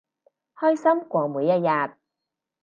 開心過每一日